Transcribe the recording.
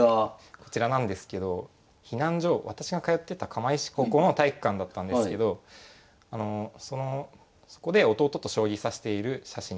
こちらなんですけど避難所は私が通ってた釜石高校の体育館だったんですけどそこで弟と将棋指している写真になりますこちらは。